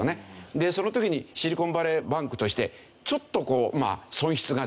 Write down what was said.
でその時にシリコンバレーバンクとしてちょっと損失が出た。